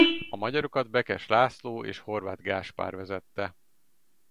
A magyarokat Bekes László és Horváth Gáspár vezette.